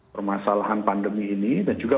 permasalahan pandemi ini dan juga